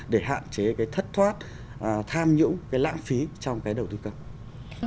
để hạn chế cái thất thoát tham nhũng cái lãng phí trong cái đầu tư công